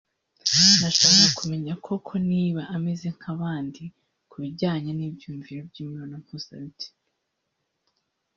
"Nashakaga kumenya koko niba ameze nk’abandi ku bijyanye n’ibyiyumviro by’imibonano mpuzabitsina